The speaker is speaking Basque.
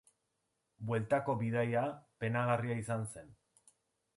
Bueltako bidaia penagarria izan zen.